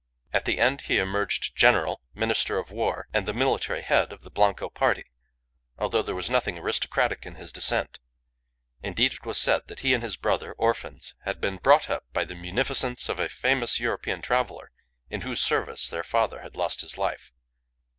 At the end he emerged General, Minister of War, and the military head of the Blanco party, although there was nothing aristocratic in his descent. Indeed, it was said that he and his brother, orphans, had been brought up by the munificence of a famous European traveller, in whose service their father had lost his life.